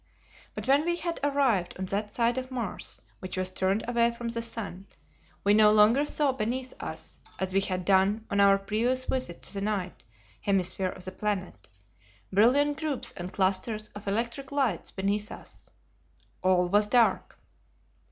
But when we had arrived on that side of Mars which was turned away from the sun, we no longer saw beneath us, as we had done on our previous visit to the night hemisphere of the planet, brilliant groups and clusters of electric lights beneath us. All was dark.